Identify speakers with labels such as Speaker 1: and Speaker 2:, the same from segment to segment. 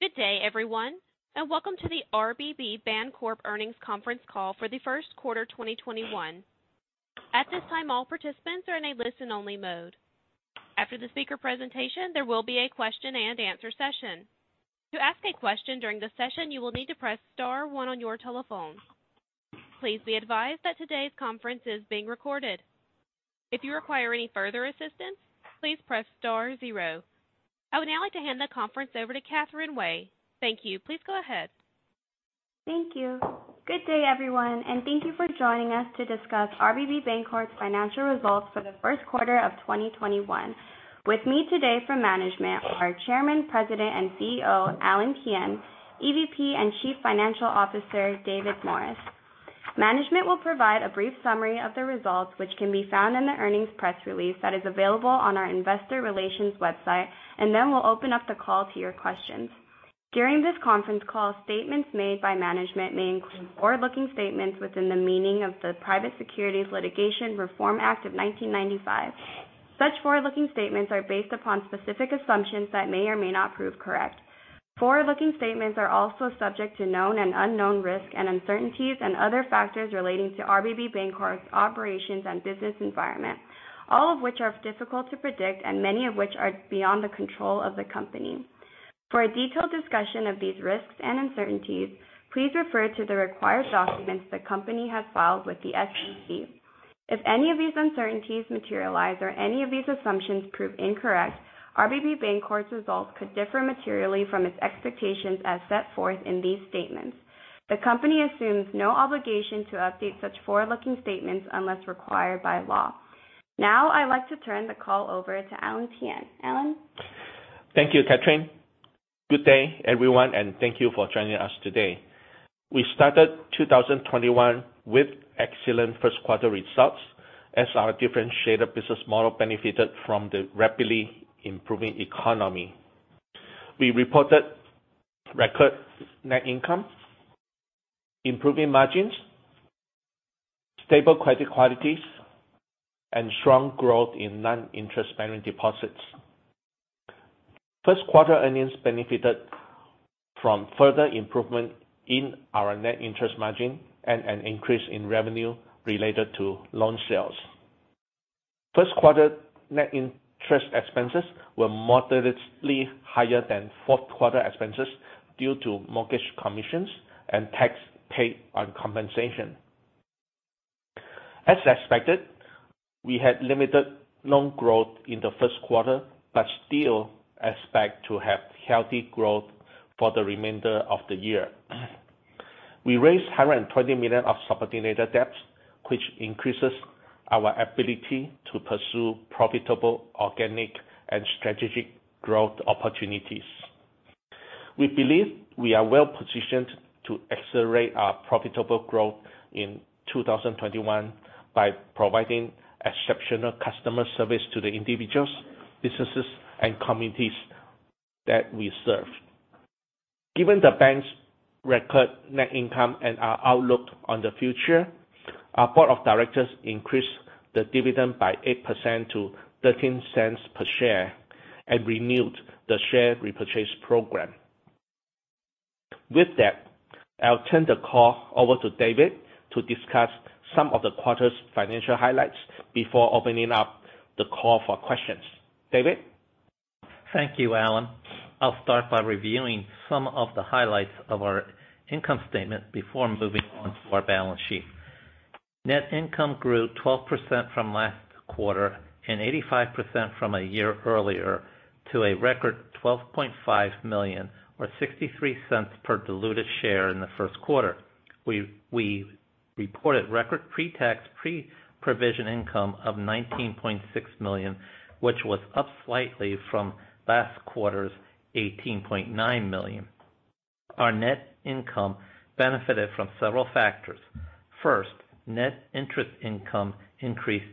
Speaker 1: Good day, everyone, and welcome to the RBB Bancorp Earnings Conference Call for the first quarter 2021. At this time, all participants are in a listen-only mode. After the speaker presentation, there will be a question and answer session. I would now like to hand the conference over to Catherine Wei. Thank you. Please go ahead.
Speaker 2: Thank you. Good day, everyone, and thank you for joining us to discuss RBB Bancorp's financial results for the first quarter of 2021. With me today from management are Chairman, President, and CEO, Alan Thian, EVP, and Chief Financial Officer, David Morris. Management will provide a brief summary of the results, which can be found in the earnings press release that is available on our investor relations website, and then we'll open up the call to your questions. During this conference call, statements made by management may include forward-looking statements within the meaning of the Private Securities Litigation Reform Act of 1995. Such forward-looking statements are based upon specific assumptions that may or may not prove correct. Forward-looking statements are also subject to known and unknown risks and uncertainties and other factors relating to RBB Bancorp's operations and business environment, all of which are difficult to predict and many of which are beyond the control of the company. For a detailed discussion of these risks and uncertainties, please refer to the required documents the company has filed with the SEC. If any of these uncertainties materialize or any of these assumptions prove incorrect, RBB Bancorp's results could differ materially from its expectations as set forth in these statements. The company assumes no obligation to update such forward-looking statements unless required by law. Now, I'd like to turn the call over to Alan Thian. Alan?
Speaker 3: Thank you, Catherine. Good day, everyone, and thank you for joining us today. We started 2021 with excellent first-quarter results as our differentiated business model benefited from the rapidly improving economy. We reported record net income, improving margins, stable credit qualities, and strong growth in non-interest-bearing deposits. First quarter earnings benefited from further improvement in our net interest margin and an increase in revenue related to loan sales. First quarter net interest expenses were moderately higher than fourth quarter expenses due to mortgage commissions and tax paid on compensation. As expected, we had limited loan growth in the first quarter, but still expect to have healthy growth for the remainder of the year. We raised $120 million of subordinated debt, which increases our ability to pursue profitable organic and strategic growth opportunities. We believe we are well-positioned to accelerate our profitable growth in 2021 by providing exceptional customer service to the individuals, businesses, and communities that we serve. Given the bank's record net income and our outlook on the future, our board of directors increased the dividend by 8% to $0.13 per share and renewed the share repurchase program. With that, I'll turn the call over to David to discuss some of the quarter's financial highlights before opening up the call for questions. David?
Speaker 4: Thank you, Alan. I'll start by reviewing some of the highlights of our income statement before moving on to our balance sheet. Net income grew 12% from last quarter and 85% from a year earlier to a record $12.5 million or $0.63 per diluted share in the first quarter. We reported record pre-tax, pre-provision income of $19.6 million, which was up slightly from last quarter's $18.9 million. Our net income benefited from several factors. First, net interest income increased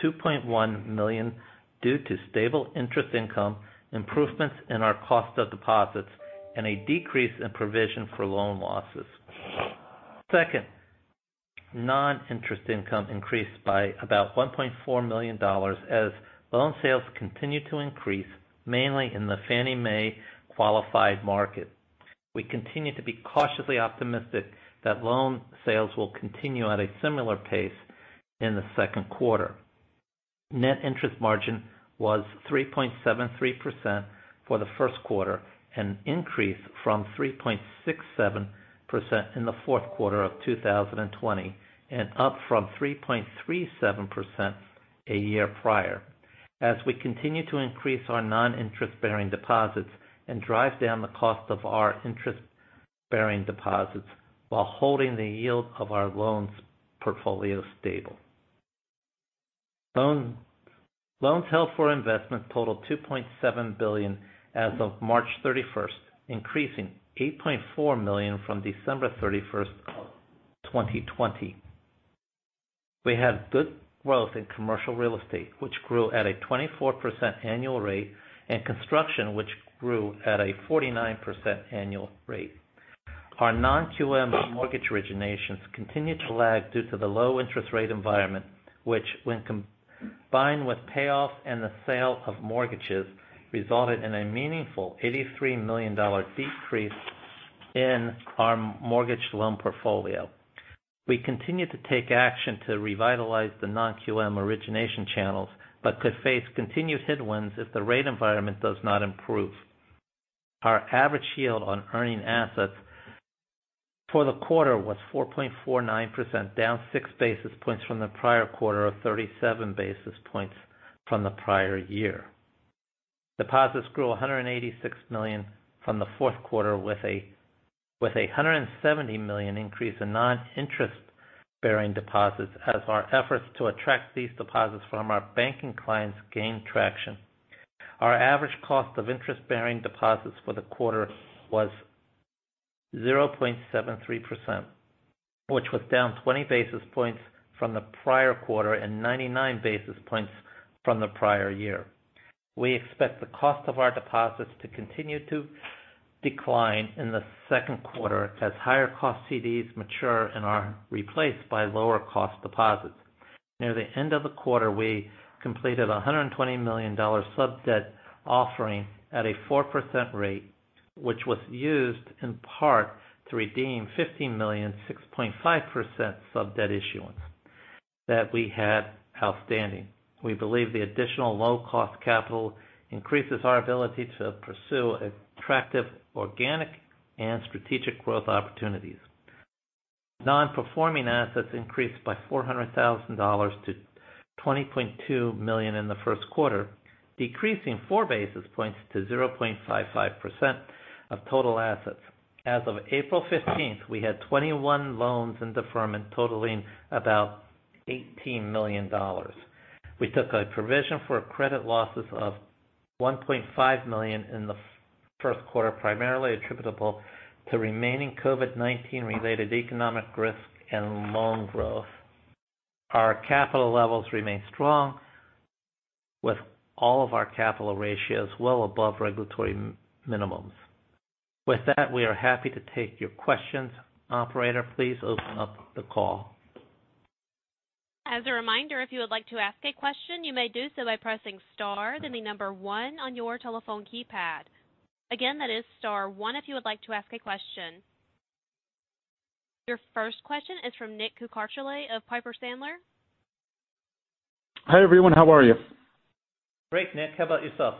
Speaker 4: to $2.1 million due to stable interest income, improvements in our cost of deposits, and a decrease in provision for loan losses. Second, non-interest income increased by about $1.4 million as loan sales continued to increase, mainly in the Fannie Mae-qualified market. We continue to be cautiously optimistic that loan sales will continue at a similar pace in the second quarter. Net interest margin was 3.73% for the first quarter, an increase from 3.67% in the fourth quarter of 2020, and up from 3.37% a year prior. As we continue to increase our non-interest-bearing deposits and drive down the cost of our interest-bearing deposits while holding the yield of our loans portfolio stable. Loans held for investment totaled $2.7 billion as of March 31st, increasing $8.4 million from December 31st of 2020. We had good growth in commercial real estate, which grew at a 24% annual rate, and construction, which grew at a 49% annual rate. Our non-QM mortgage originations continued to lag due to the low interest rate environment, which when combined with payoffs and the sale of mortgages, resulted in a meaningful $83 million decrease in our mortgage loan portfolio. We continue to take action to revitalize the non-QM origination channels, but could face continued headwinds if the rate environment does not improve. Our average yield on earning assets for the quarter was 4.49%, down six basis points from the prior quarter of 37 basis points from the prior year. Deposits grew $186 million from the fourth quarter, with a $170 million increase in non-interest-bearing deposits as our efforts to attract these deposits from our banking clients gained traction. Our average cost of interest-bearing deposits for the quarter was 0.73%, which was down 20 basis points from the prior quarter and 99 basis points from the prior year. We expect the cost of our deposits to continue to decline in the second quarter as higher cost CDs mature and are replaced by lower cost deposits. Near the end of the quarter, we completed a $120 million sub-debt offering at a 4% rate, which was used in part to redeem $50 million, 6.5% sub-debt issuance that we had outstanding. We believe the additional low-cost capital increases our ability to pursue attractive organic and strategic growth opportunities. Non-performing assets increased by $400,000 to $20.2 million in the first quarter, decreasing four basis points to 0.55% of total assets. As of April 15th, we had 21 loans in deferment totaling about $18 million. We took a provision for credit losses of $1.5 million in the first quarter, primarily attributable to remaining COVID-19 related economic risk and loan growth. Our capital levels remain strong, with all of our capital ratios well above regulatory minimums. With that, we are happy to take your questions. Operator, please open up the call.
Speaker 1: As a reminder, if you would like to ask a question, you may do so by pressing star, then the number 1 on your telephone keypad. Again, that is star one if you would like to ask a question. Your first question is from Nick Cucharale of Piper Sandler.
Speaker 5: Hi, everyone. How are you?
Speaker 4: Great, Nick. How about yourself?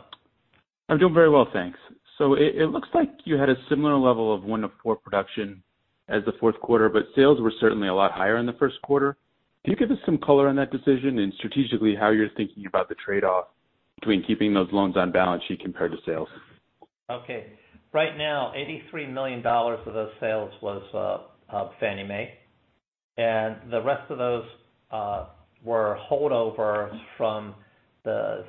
Speaker 5: I'm doing very well, thanks. It looks like you had a similar level of 1 to 4 production as the fourth quarter, sales were certainly a lot higher in the first quarter. Can you give us some color on that decision and strategically how you're thinking about the trade-off between keeping those loans on balance sheet compared to sales?
Speaker 4: Okay. Right now, $83 million of those sales was Fannie Mae. The rest of those were holdovers from the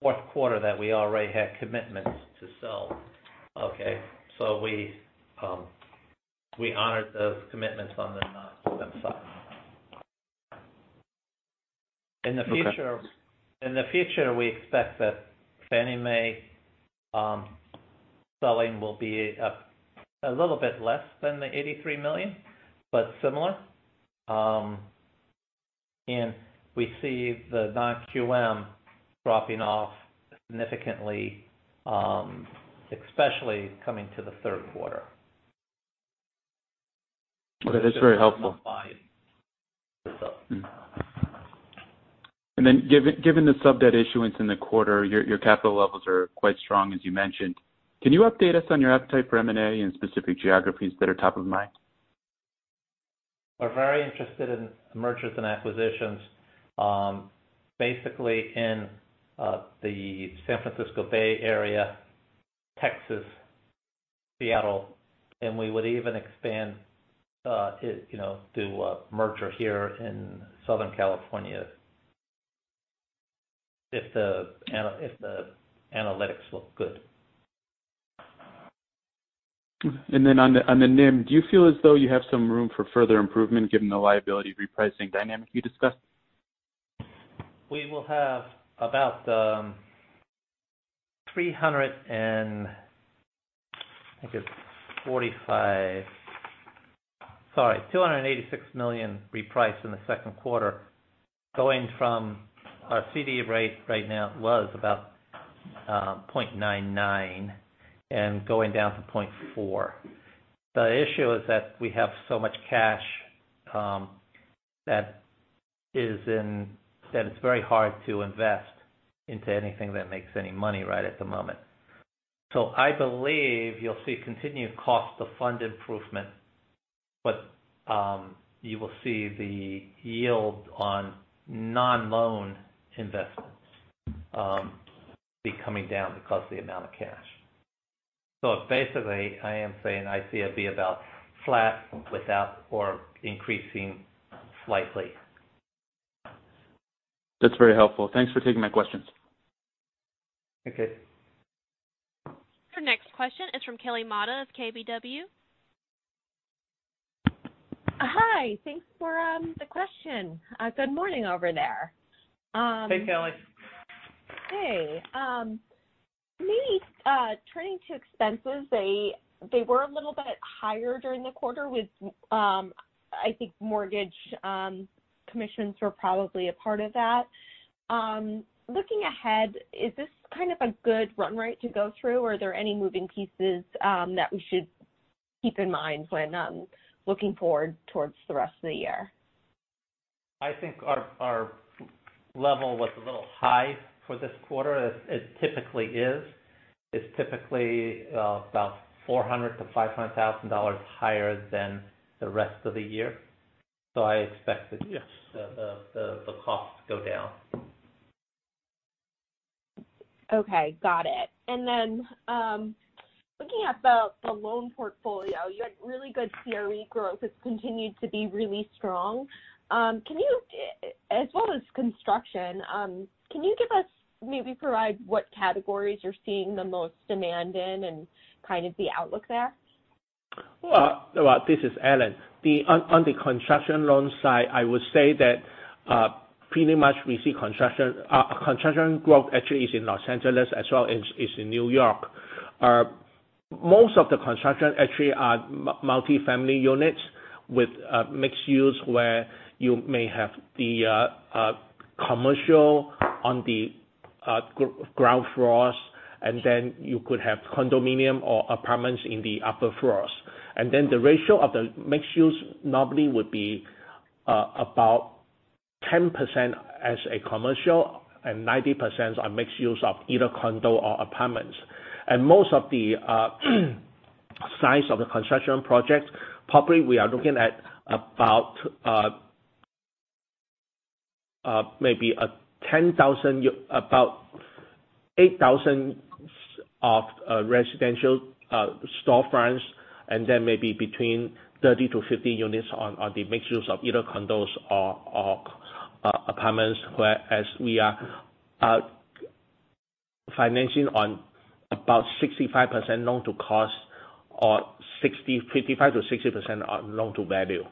Speaker 4: fourth quarter that we already had commitments to sell. Okay. We honored those commitments on that side.
Speaker 5: Okay.
Speaker 4: In the future, we expect that Fannie Mae selling will be a little bit less than the $83 million, but similar. We see the non-QM dropping off significantly, especially coming to the third quarter.
Speaker 5: Okay. That's very helpful. Given the sub-debt issuance in the quarter, your capital levels are quite strong, as you mentioned. Can you update us on your appetite for M&A and specific geographies that are top of mind?
Speaker 4: We're very interested in mergers and acquisitions basically in the San Francisco Bay Area, Texas, Seattle, and we would even expand to a merger here in Southern California if the analytics look good.
Speaker 5: On the NIM, do you feel as though you have some room for further improvement given the liability repricing dynamic you discussed?
Speaker 4: We will have about $286 million repriced in the second quarter, going from our CD rate right now was about 0.99 and going down to 0.4. The issue is that we have so much cash that it's very hard to invest into anything that makes any money right at the moment. I believe you'll see continued cost to fund improvement, but you will see the yield on non-loan investments be coming down because the amount of cash. Basically, I am saying I see it be about flat without or increasing slightly.
Speaker 5: That's very helpful. Thanks for taking my questions.
Speaker 4: Okay.
Speaker 1: Our next question is from Kelly Motta of KBW.
Speaker 6: Hi, thanks for the question. Good morning over there.
Speaker 4: Hey, Kelly.
Speaker 6: Hey. Maybe turning to expenses, they were a little bit higher during the quarter with, I think mortgage commissions were probably a part of that. Looking ahead, is this kind of a good run rate to go through? Are there any moving pieces that we should keep in mind when looking forward towards the rest of the year?
Speaker 4: I think our level was a little high for this quarter, as it typically is. It's typically about $400,000-$500,000 higher than the rest of the year.
Speaker 3: Yes
Speaker 4: the cost to go down.
Speaker 6: Okay. Got it. Looking at the loan portfolio, you had really good CRE growth. It's continued to be really strong. As well as construction, can you maybe provide what categories you're seeing the most demand in and the outlook there?
Speaker 3: This is Alan. On the construction loan side, I would say that pretty much we see construction growth actually is in L.A. as well as in N.Y. Most of the construction actually are multifamily units with mixed use where you may have the commercial on the ground floors, and then you could have condominium or apartments in the upper floors. The ratio of the mixed use normally would be about 10% as a commercial and 90% are mixed use of either condo or apartments. Most of the size of the construction projects, probably we are looking at about maybe 10,000, about 8,000 of residential storefronts, and then maybe between 30-50 units on the mixed use of either condos or apartments, whereas we are financing on about 65% loan to cost or 55%-60% on loan to value.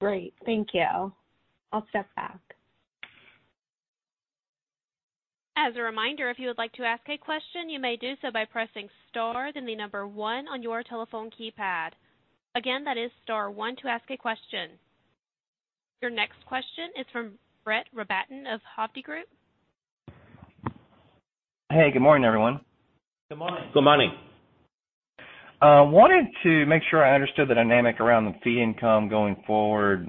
Speaker 6: Great. Thank you. I'll step back.
Speaker 1: As a reminder, if you would like to ask a question, you may do so by pressing star then the number one on your telephone keypad. Again, that is star one to ask a question. Your next question is from Brett Rabatin of Hovde Group.
Speaker 7: Hey, good morning, everyone.
Speaker 4: Good morning.
Speaker 3: Good morning.
Speaker 7: Wanted to make sure I understood the dynamic around the fee income going forward.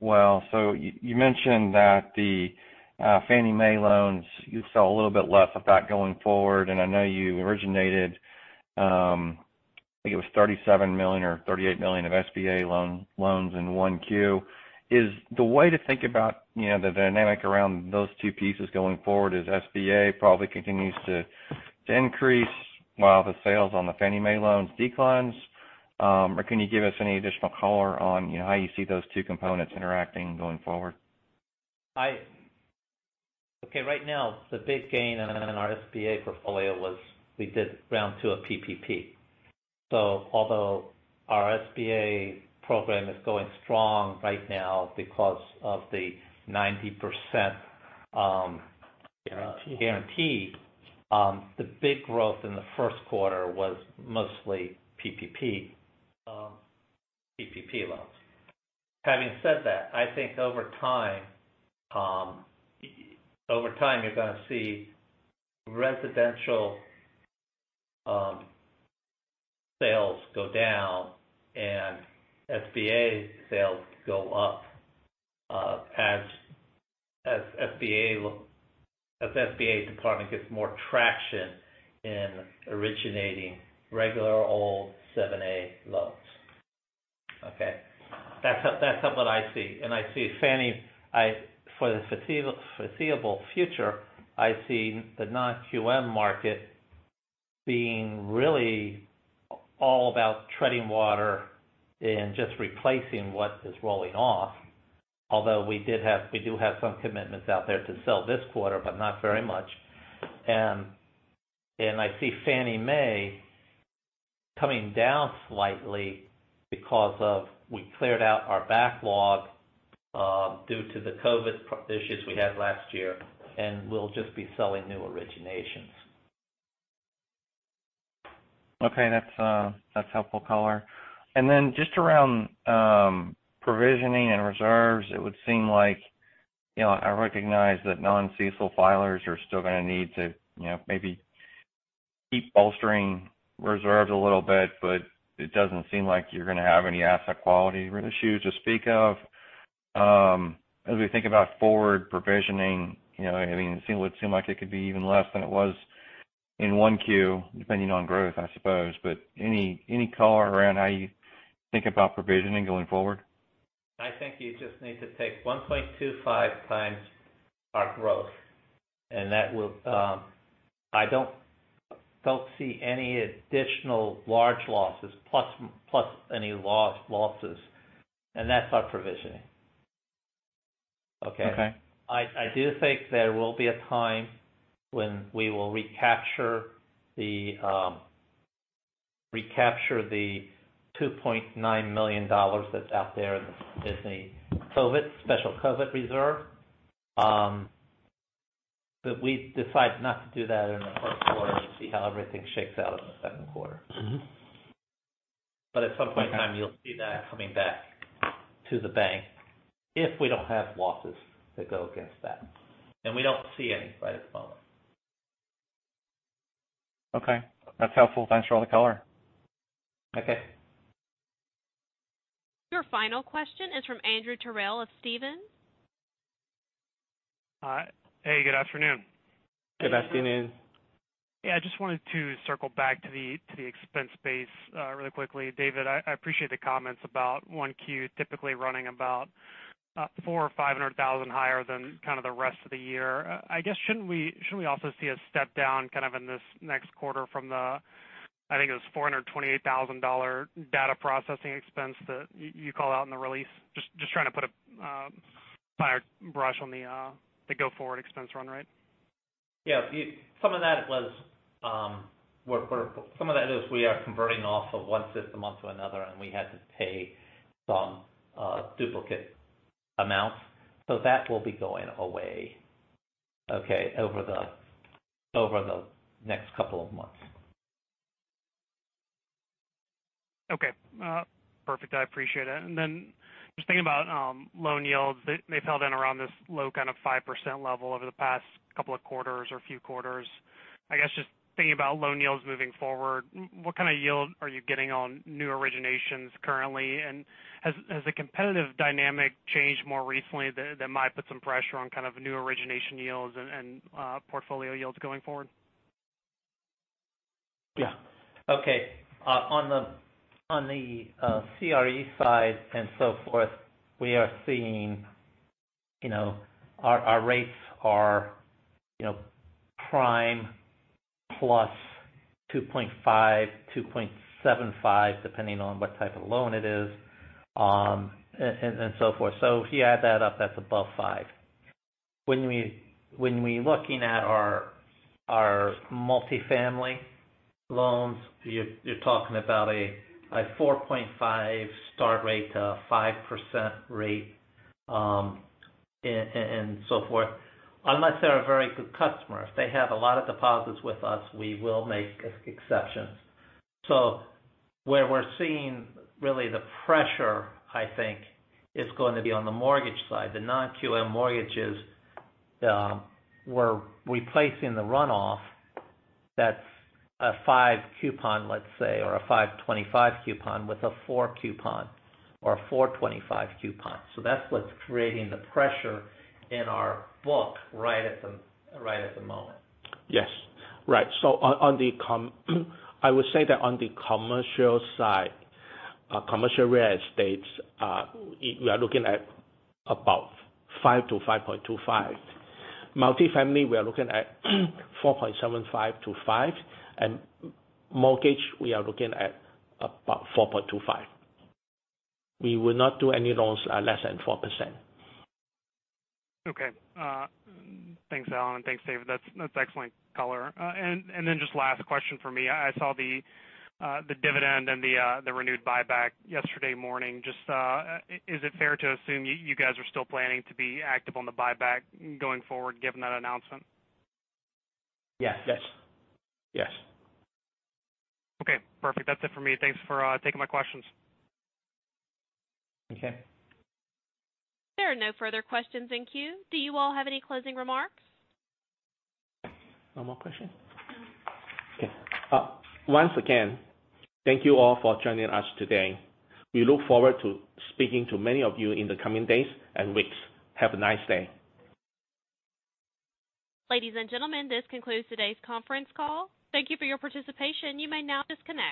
Speaker 7: You mentioned that the Fannie Mae loans, you saw a little bit less of that going forward, and I know you originated, I think it was $37 million or $38 million of SBA loans in 1Q. Is the way to think about the dynamic around those two pieces going forward is SBA probably continues to increase while the sales on the Fannie Mae loans declines? Or can you give us any additional color on how you see those two components interacting going forward?
Speaker 4: Okay. Right now, the big gain in our SBA portfolio was we did round two of PPP. Although our SBA program is going strong right now because of the 90% guarantee-
Speaker 3: Guarantee
Speaker 4: The big growth in the first quarter was mostly PPP loans. Having said that, I think over time, you're going to see residential sales go down and SBA sales go up as SBA Department gets more traction in originating regular old 7(a) loans. Okay? That's what I see. I see Fannie, for the foreseeable future, I see the non-QM market being really all about treading water and just replacing what is rolling off. Although we do have some commitments out there to sell this quarter, but not very much. I see Fannie Mae coming down slightly because of we cleared out our backlog due to the COVID issues we had last year, and we'll just be selling new originations.
Speaker 7: Okay. That's helpful color. Then just around provisioning and reserves, it would seem like, I recognize that non-CECL filers are still going to need to maybe keep bolstering reserves a little bit, but it doesn't seem like you're going to have any asset quality issues to speak of. As we think about forward provisioning, it would seem like it could be even less than it was in 1Q, depending on growth, I suppose. Any color around how you think about provisioning going forward?
Speaker 4: I think you just need to take 1.25x our growth, and I don't see any additional large losses, plus any losses, and that's our provisioning. Okay. I do think there will be a time when we will recapture the $2.9 million that's out there in the special COVID reserve. We decided not to do that in the first quarter to see how everything shakes out in the second quarter. At some point in time, you'll see that coming back to the bank if we don't have losses that go against that, and we don't see any right at the moment.
Speaker 7: Okay. That's helpful. Thanks for all the color.
Speaker 4: Okay.
Speaker 1: Your final question is from Andrew Terrell of Stephens.
Speaker 8: Hi. Hey, good afternoon.
Speaker 4: Good afternoon.
Speaker 8: Yeah, I just wanted to circle back to the expense base really quickly. David, I appreciate the comments about 1Q typically running about $400,000 or $500,000 higher than kind of the rest of the year. I guess, shouldn't we also see a step down kind of in this next quarter from the, I think it was $428,000 data processing expense that you called out in the release. Just trying to put a finer brush on the go-forward expense run rate.
Speaker 4: Yeah. Some of that is we are converting off of one system onto another, and we had to pay some duplicate amounts. That will be going away over the next couple of months.
Speaker 8: Okay. Perfect. I appreciate it. Then just thinking about loan yields. They've held in around this low kind of 5% level over the past couple of quarters or few quarters. I guess just thinking about loan yields moving forward, what kind of yield are you getting on new originations currently? Has the competitive dynamic changed more recently that might put some pressure on kind of new origination yields and portfolio yields going forward?
Speaker 4: Yeah. Okay. On the CRE side and so forth, we are seeing our rates are prime plus 2.5, 2.75, depending on what type of loan it is, and so forth. If you add that up, that's above five. When we're looking at our multifamily loans, you're talking about a 4.5 start rate to a 5% rate, and so forth. Unless they're a very good customer. If they have a lot of deposits with us, we will make exceptions. Where we're seeing really the pressure, I think, is going to be on the mortgage side. The non-QM mortgages, we're replacing the runoff that's a 5 coupon, let's say, or a 5.25 coupon with a 4 coupon or a 4.25 coupon. That's what's creating the pressure in our book right at the moment.
Speaker 3: Yes. Right. I would say that on the commercial side, commercial real estate, we are looking at about 5%-5.25%. Multifamily, we are looking at 4.75%-5%. Mortgage, we are looking at about 4.25%. We will not do any loans less than 4%.
Speaker 8: Okay. Thanks, Alan, and thanks, David. That's excellent color. Just last question for me. I saw the dividend and the renewed buyback yesterday morning. Just is it fair to assume you guys are still planning to be active on the buyback going forward given that announcement?
Speaker 4: Yes.
Speaker 3: Yes.
Speaker 8: Okay, perfect. That's it for me. Thanks for taking my questions.
Speaker 4: Okay.
Speaker 1: There are no further questions in queue. Do you all have any closing remarks?
Speaker 3: No more question?
Speaker 1: Mm-mm.
Speaker 3: Okay. Once again, thank you all for joining us today. We look forward to speaking to many of you in the coming days and weeks. Have a nice day.
Speaker 1: Ladies and gentlemen, this concludes today's conference call. Thank you for your participation. You may now disconnect.